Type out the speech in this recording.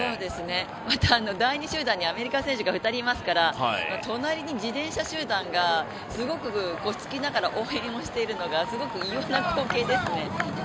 また第２集団にアメリカ選手が２人いますから隣に自転車集団がすごくつきながら応援をしているのが、すごく異様な光景ですね。